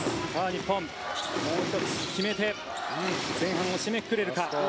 日本、もう１つ決めて前半を締めくくれるか。